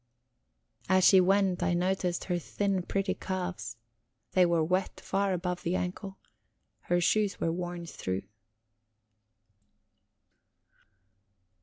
As she went, I noticed her thin, pretty calves; they were wet far above the ankle. Her shoes were worn through.